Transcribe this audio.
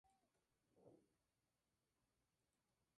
Colabora habitualmente con grupos como Siniestro Total o Extremoduro.